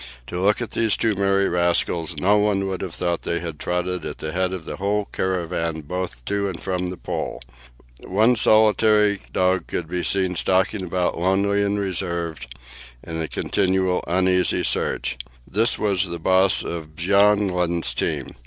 To look at those two merry rascals no one would have thought they had trotted at the head of the whole caravan both to and from the Pole. One solitary dog could be seen stalking about, lonely and reserved, in a continual uneasy search. This was the boss of Bjaaland's team.